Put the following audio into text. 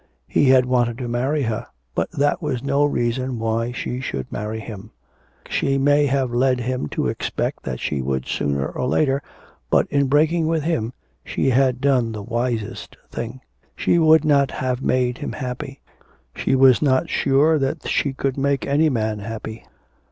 He had wanted to marry her, but that was no reason why she should marry him. She may have led him to expect that she would sooner or later, but in breaking with him she had done the wisest thing. She would not have made him happy; she was not sure that she could make any man happy...